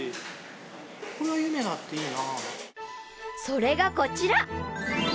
［それがこちら！］